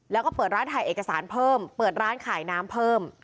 แล้วก็เปิดร้านถ่ายเอกสารเพิ่มเปิดร้านขายน้ำเพิ่ม